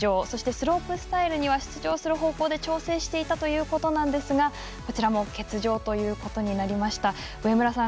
そしてスロープスタイルには出場する方向で調整していたということですがこちらも欠場ということになりました。